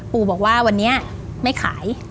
ปู่บอกว่าวันนี้ไม่ขาย